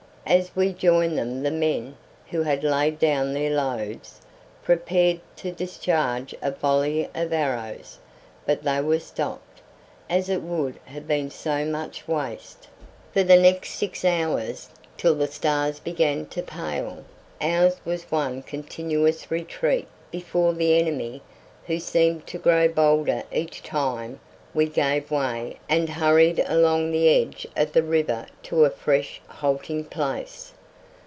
As we joined them the men, who had laid down their loads, prepared to discharge a volley of arrows, but they were stopped, as it would have been so much waste. For the next six hours, till the stars began to pale, ours was one continuous retreat before the enemy, who seemed to grow bolder each time we gave way and hurried along the edge of the river to a fresh halting place.